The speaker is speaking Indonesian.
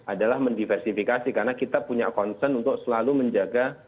adalah mendiversifikasi karena kita punya concern untuk selalu menjaga